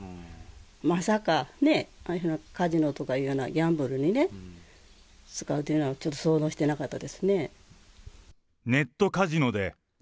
まさか、ね、ああいうふうなカジノとかいうような、ギャンブルにね、使うというのはちょっと想像してなかったですね。